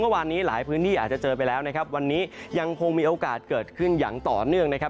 เมื่อวานนี้หลายพื้นที่อาจจะเจอไปแล้วนะครับวันนี้ยังคงมีโอกาสเกิดขึ้นอย่างต่อเนื่องนะครับ